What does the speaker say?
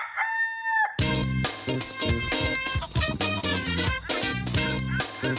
โอ้โฮโอ้โฮ